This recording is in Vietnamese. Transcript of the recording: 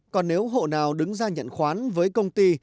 còn nếu hộ nào đứng ra nhận khoán với công ty